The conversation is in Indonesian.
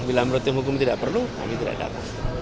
bila menurut tim hukum tidak perlu kami tidak datang